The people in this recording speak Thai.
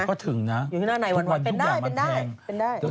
อยู่ข้างหน้าในวันเป็นได้